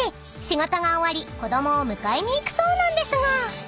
仕事が終わり子供を迎えに行くそうなんですが］